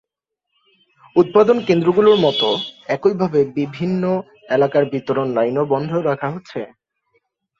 উৎপাদনকেন্দ্রগুলোর মতো একইভাবে বিভিন্ন এলাকার বিতরণ লাইনও বন্ধ রাখা হচ্ছে।